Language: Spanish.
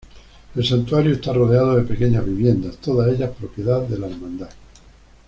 El santuario está rodeado de pequeñas viviendas, todas ellas propiedad de la hermandad.